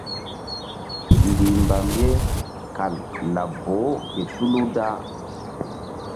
Mbihmbam ye kal laɓ boh ke tulu da.